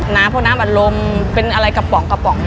น้ำเพราะน้ำอัดลมเป็นอะไรกระป๋องกระป๋อง